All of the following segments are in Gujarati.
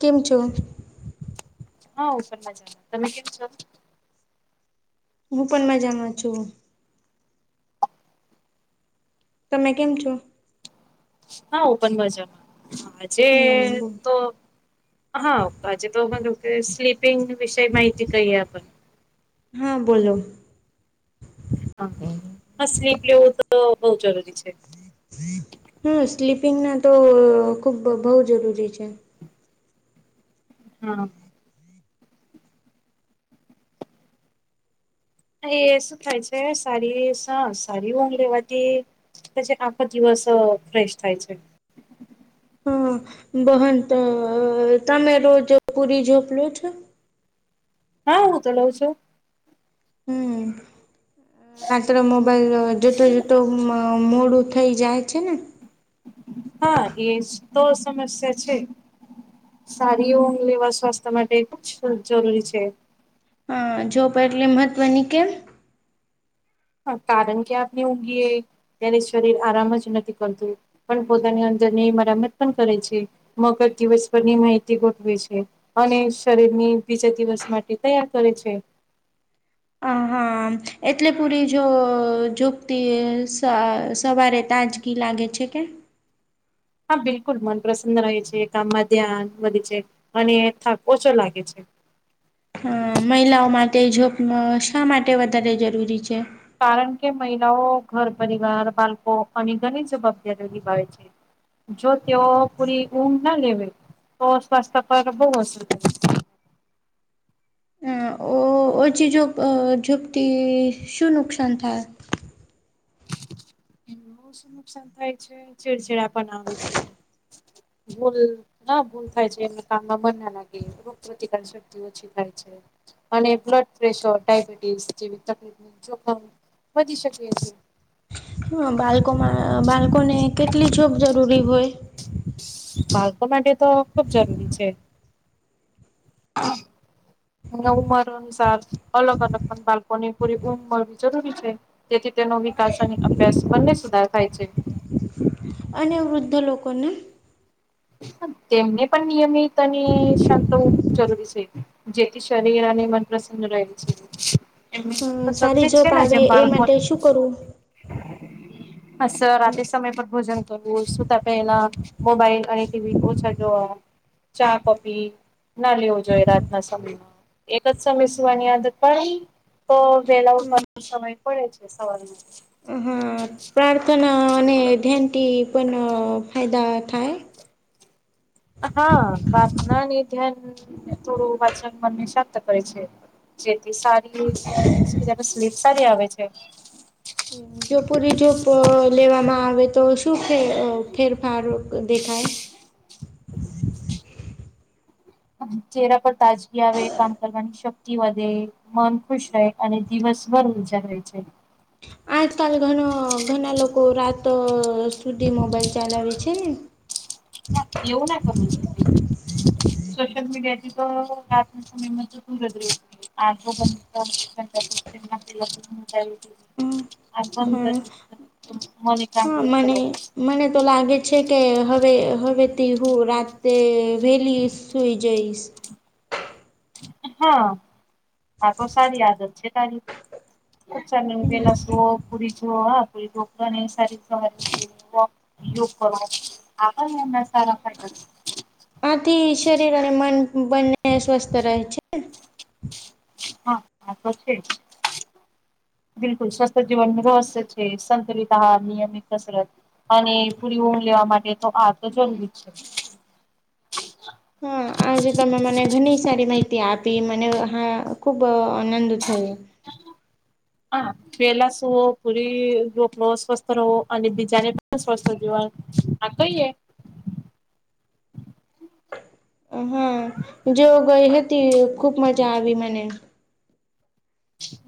કેમ છો? હા હું પણ મજામાં, તમે કેમ છો? હું પણ મજામાં છું તમે કેમ છો? હા હું પણ મજામાં આજે એમ બોલ તો હા પાછી તોને કે સ્લીપિંગ વિષ માહિતી કહીએ આપ હા બોલો હા સ્લીપિંગ લેવું તો બઉ જરૂરી છે હમ સ્લીપિંગના તો ખુબ બઉ જરૂરી છે હા. એ શું થાય છે સારિરિક સારી ઊંઘ લેવાતી પછી આખો દિવસ ફ્રેશ થાય છે હા બહન તમે રોજ પુરી ઝપલો છો હા, હું તો લઉ છું. હમ, રાત્રે મોબાઈલમાં જોતો જોતો ઊંઘમાં મોડું થઈ જાય છે ને. હા, એજ તો સમસ્યા છે. સારીઓ લેવા સ્વાસ્થ્ય માટે કુછ જરૂરી છે. હા, જો પણ એટલે મહત્ત્વની કેમ હા, કારણ કે આપને ઊગીએ ત્યારે શરીર આરામ જ નથી કરતું. પણ પોતાની અંદર ની મરામત પણ કરે છે. મગજ દિવસભરની માહિતી ગોઠવે છે. અને શરીર ની બીજા દિવસ માટે તૈયાર કરે છે. અ એટલે પૂરી જો જો ક્તિ સ સવારે તાજ લાગે છે કે હા, બિલકુલ મન પ્રસન્ન રહે છે, કામમાં ધ્યાન વધે છે, અને થાક ઓછો લાગે છે. અ મહિલાઓ માટે જોબ શા માટે વધારે જરૂરી છે? કારણ કે મહિલાઓ ઘર, પરિવાર, બાળકો અને ઘણી જવાબદારીઓ નિભાવે છે. જો તેઓ પૂરી ઊંઘ ના લેવે, તો સ્વાસ્થ્ય પર બહુ અસર થ અ ઓછી જુપ ઝૂપથી શું નુકસાન થાય? એ બ શું નુકસાન થાય છે? ચીડિયાપણું પણ આવે છે. ભૂલ ના ભૂલ થાય છે, એમ કામમાં મન ના લાગે, રોગ પ્રતિકાર શક્તિ ઓછી થાય છે. અને બ્લડ પ્રેશર, ડાયબિટીસ, જેવી તકલીફ જોખમ વધી શકે છે. હ, બાળકોમાં બાળકોને કેટલી ઝોપ જરૂરી હોય? બાળકો માટે તો ખુબ જરૂરી છે. હ. એ ઉંમર અનુસાર અલગ-અલગ, પણ બાળકોની પૂરી ઊંધ મળવી જરૂરી છે. તેથી તેનો વિકાસ અને અભ્યાસ બંને સુધાર થાય છે. અને વૃદ્ધ લોકોને? તેમને પણ નિયમિત અને સતુષ્ટ જરૂરી છે. જેથી શરીર અને મન પ્રસન્ન રહે છે. એમ પણ તો સારી જલ્દી છે, જોબ આવે જેમ એ માટે બાળકોને શું કરવું? અસર રાત્રે સમય પર ભોજન કરવું, સુુંતા પેહલા મોબાઈલ અને ટીવી ઓછા જોવા, ચા-કોપી ના લેવો જોઈએ રાતના સમયમાં. એક જ સમય સુવાની આદત પાડવી, તો વેલા ઉઠવાનું સમય પડે છે સવારે. હા, પ્રાર્થના અને ધ્યાનથી પણ ફાયદા થાય. હા, પ્રાર્થના ને ધ્યાન થોડું વાચન મનને શાંત કરે છે. જેથી સારી સ્લીપ સારી આવે છે. જો પૂરી જોપ લેવામાં આવે, તો શું ફેર ફેરફાર દેખાય? ચહેરા પર તાજગી આવે, કામ કરવાની શક્તિ વધે. મન ખુશ રહે અને દિવસભર ઉર્જા રહે છે. આજકાલ ઘણા ઘણા લોકો રાતો સુધી મોબાઈલ ચાલાવે છે ને. ના એવું ના કરવો જોઈએ. સોશલ મીડિયાથી તો લ સમનેમાં ગજ રહે. આગો [inaudible] [unintelligible] બ આ કરીવી મને કા હા મન એકાગ્ર હા મને કરે મને તો લાગે છે કે હવે હવેથી હું રાત્રે વેલી સ સુઈ જઇસ. હા, આ તો સારી આદત છે તારી. [unintelligible] પેલાઓ પૂરી જુઓ હા પડીકડા સારી સ [unintelligible] યોગ આપણ એના સારા ફાયદા છે. આથી શરીર અને મન બંને સ્વસ્થ રહે છે. હા આ તો છે જ બિલકુલ સ્વસ્ત્થજીીવનુ રહસ્ય છે, સંતુલિત નિયમિત કસરત અને પૂરી ઊંધ લેવા માટે તો આ તો જરૂરી જ છે. હા આજે તમે મને ઘણી સારી માહિતી આપી મને હા ખુબ આનંદ થયો. હા. પેલા સુવો પૂરી સ્વસ્થ રહવો અને બીજાને પણ સ્વસ્થ રહેવાય. આ કઈ એ હા જે ગઈ હતી ખુબ મજા આવી મને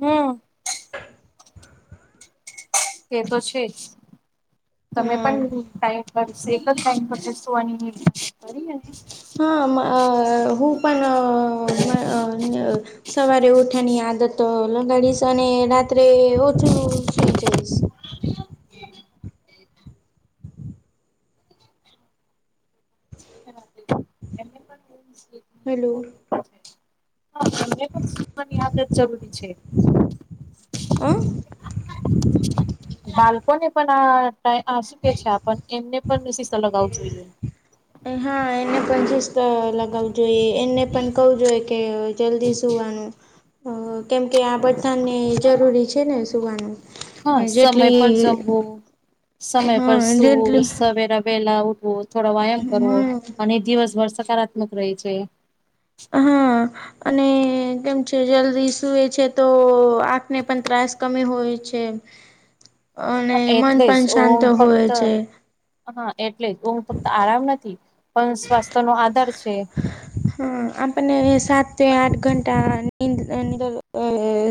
હમ એ તો છે જ તમે હા પણ ટાઈમ બસ એક જ ટાઈમ ફટેુંની કરી. હા હું પણ સવારે ઉઠાની આદત લગાડીશ અને રાત્રે ઓછું સુઈ જઈશ. [unintelligible] [unintelligible] હ તને હેલો પણની યાદ જ જરૂરી છે. અ બાલ્પને એ પણ આ શું કે છે એમને પણ સીશ લગાવું જોઈએ. હા એને પણછ લગાવું જોઈએ એમને પણ કું જોઈએ કે જલ્દી સુવાનું. હ કેમ કે આ બથાને જરૂરી છે ને સુવાનું. હા સમય પર જેટલી જમવું સમય પર હા સુ જેટલી સવેરા વેલા ઉઠ થોડા વ્યાયામ હમ કરવો અને દિવસભર સકારાત્મક રહે છે. હા અને કેમ છે જલ્દી સૂએ છે તો આંખને પણ ત્રાસ કમી હોય છે. હ અને મન એટલે જ પણ શાંત ઓમ ફક્ત હોય છે. હા એટલે જ હું ફક્ત આરામ નથી પણ સ્વાસ્થ્ય નો આધાર છે. હમ આપને સાત આઠ ઘંટા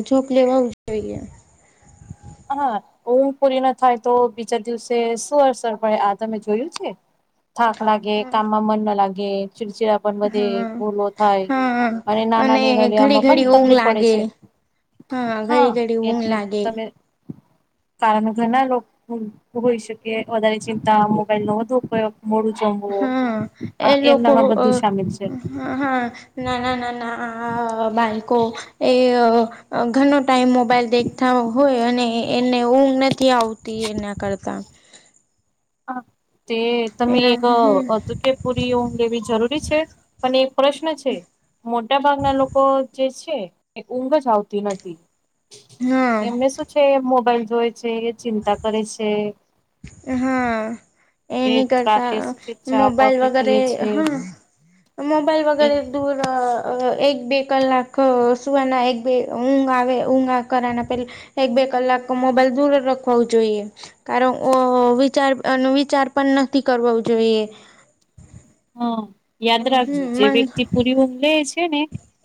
જોક લેવાવું જોઈએ. હા ઊંઘ પૂરી ના થાય તો બીજા દિવસે શું અરસર પડે આ તમે જોયું છે. થાક લાગે કામમાં મન ન લાગે ચિડચીડા વધે હા ભૂલો થાય હા અને ઘડી નાનાનીલિયામાં ઘડી પણ ઊંઘ તકલીફ પડે લાગે. છે. હા ઘડી ઘડી ઊંઘ એટલે લાગે તમે કારણ ઘણા લોકો હોઈ શકે વધારે ચિંતા મોબાઈલ નો વધુ ઉપયોગ મોડું હા જમવું એ આ લોકો એમનામાં અ બધું સામેલ છે હ હા નાના નાના બાળકો એ ઘણ ટાઈમ મોબાઈલ દેખતા હોય અને એને ઊઘ નથી આવતી એના કરતા. હા તે તમે એના એક હમ ત કે પૂરીઓ લેવી જરૂરી છે પણ એક પ્રશ્ન છે. મોટા ભાગના લોકો જે છે એ ઊંઘ જ આવતી નથી. હા એમને શું છે મોબાઈલ જોવે છે એ ચિંતા કરે છે. હા એ એની રાતે કરતા શું છે ચા મોબાઈલ કોફી વગેરે પીએ છે હા મોબાઈલ એ વગેરે દૂર એક બે કલાક સુવના એક બે ઊંઘ આવે ઊંઘા કરવાના પહેલાં એક બે કલાક મોબાઈલ દૂર રાખવા જોઈએ કારણ વિચાર વિચાર પણ નથી કરો જોઈએ. હા યાદ રાખજો હમ જે મન વ્યક્તિ પુરી ઊંઘ લે છે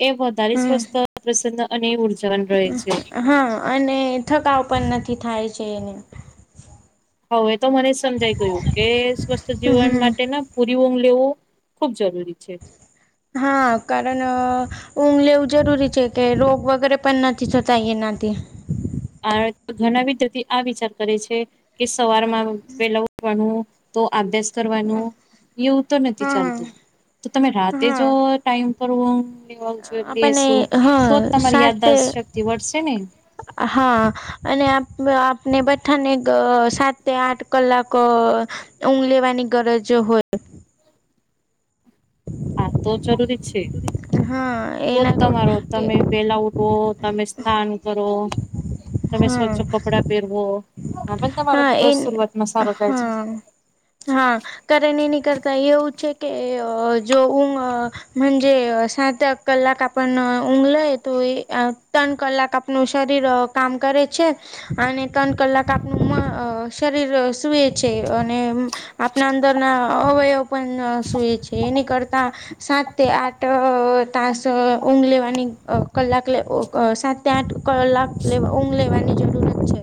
એ વધારે હમ સ્વસ્થ પ્રસન અને ઉર્જાન રહે છે. હા અને થકાવ પણ નથી થાય છે એને. હવે એ તો મને જ સમજાઈ ગયું કે સ્વસ્થ જીવન હમ માટે ના પુરી ઊંઘ લેવો ખૂબ જરૂરી છે. હા કારણ ઊંઘ લેવું જરૂરી છે કે રોગ વગેરે પણ નથી થતા એનાતે. ઘણા [unintelligible] આ વિચાર કરે છે કે સવારમાં પેલા ભણવું તો અભ્યાસ કરવાનું એવું તો નથી હા ચાલતું તો તમે રાતે હા જો ટાઈમ પર ઊંઘ જોઈ આપણને લેસું હા તો જ તમારી સાથે યાદશક્તિ વધશે ને હા અને આપને બધાને સાત આઠ કલાક ઊંઘ લેવાની ગરજ હોય હા તો જરૂરી છે હોય હા તો જ એના તમારો તમે પેલા ઉઠવો તમે સ્થાન કરો તમે હા સ્વચ્છ કપડા પેરવો હા પણ તમારો દિવસ શરૂઆતમાં સારો જાય છે હા હા કર એની કરતા એવું છે કે જો ઊંઘ જે સાત આઠ કલાક આપન ઊંઘ લેય તો ત્રણ કલાક આપ નુ શરીર કામ કરે છે અને ત્રણ કલાક [unintelligible] અ શરીર સુએ છે અને આપણા અંદરના અવયવ પણ સૂએ છે એની કરતાં સાત તે આઠ તાસ ઊંઘ લેવાની કલાક લે સાત કે આઠ કલાક લેવા ઊંઘ લેવાની જરૂરત છે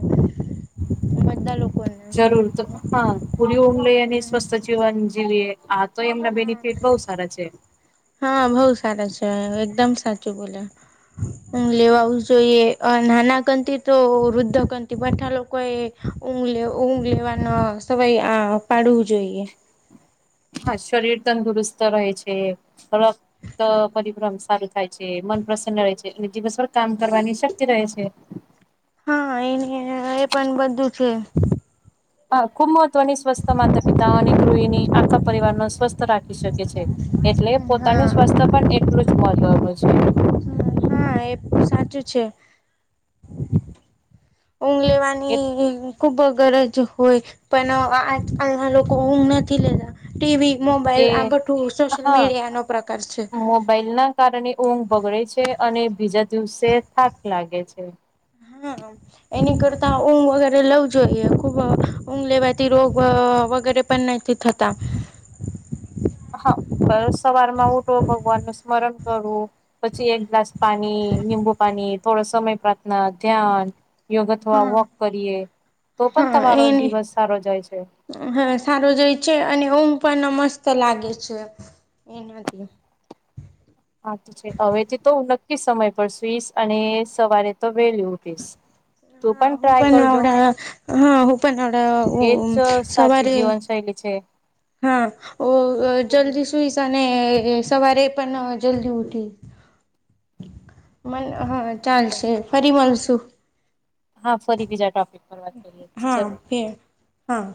બધા લોકોને [unintelligible] પુરી ઊડ લઈ અને હમ સ્વસ્થ જીવન જીવે આ તો એમના હા બેનિફિટ બઉ ખરા છે હા બઉ સારા છે એકદમ સાચું બોલ્યો [inaudible] લેવાવું જોઈએ નાના કંત તો વૃદ્ધ કંતિ બઠા લોકો એ ઊંઘ લે ઊંઘ લેવાના સવય આ પાડવું જોઈએ હા શરીર તંદુરુસ્ત રહે છે ત પરિભ્રમ સારું થાય છે મન પ્રસન્ન રહે છે એ દિવસભર કામ કરવાની શક્તિ રહે છે હા એને એ પણ બધું છે હા ખુબ મહત્વની સ્વસ્થ માતા પિતા અને ગૃહની આખા પરિવાર નો સ્વસ્થ રાખી શકે છે એટલે હા પોતાનું સ્વાસ્થ્ય પણ એટલું જ મહત્વનું છે હા એ પણ સાચું છે ઊંઘ લેવાની ખુબ જ ગરજ હોય પણ આજકાલના લોકો ઊંઘ નથી લેતા ટીવી એ મોબાઈલ આ બધું સોશિયલ મીડિયા નો પ્રકાર છે બલ ના કારણે ઊંઘ બગડે છે અને બીજા દિવસે થાક લાગે છે હા એની કરતાં ઊંઘ વગેરે લવું જોઈએ ખૂબ ઊંઘ લેવાતી રોગ વગેરે પણ નઈ તે થતાં હા પર સવાર માં ઉઠવો ભગવાન નું સ્મરણ કરવું પછી એક ગ્લાસ પાણી નીબુ પાણી થોડો સમય પ્રાર્થના ધ્યાન, યોગ અથવા હા વોક કરીએ તો પણ હા તમારો એની દિવસ સારો જાય છે હા સારો જાય છે અને ઊંઘ પણ મસ્ત લાગે છે એનાથી હા તો છે હવેથી તો હું નક્કી સમય પર સુઈશ અને સવારે તો વેલી ઉઠીશ તું હા પણ હું ટ્રાય કરજો આવડા હા હું પણ એજ આવડા સાચી સવારે જીવન શૈલી છે [inaudible] હા જલ્દી સુઇસ અને એસવારે પણ જલ્દી ઉઠી મને હા ચાલશે ફરી મળશું હા ફરી બીજા ટોપિક પર વાત કરીએ હા [unintelligible] ફે હા